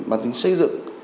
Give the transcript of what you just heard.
bằng tính xây dựng